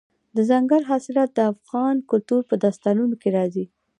دځنګل حاصلات د افغان کلتور په داستانونو کې راځي.